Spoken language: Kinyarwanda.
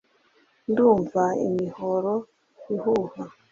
Ndumva imihoro ihuha